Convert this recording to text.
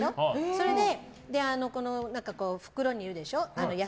それで、袋に入れるでしょ